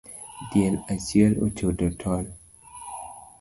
Diel achiel ochodo tol